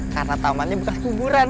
karena tamannya bekas kuburan